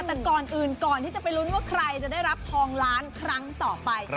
แต่ก่อนอื่นก่อนที่จะไปลุ้นว่าใครจะได้รับทองล้านครั้งต่อไป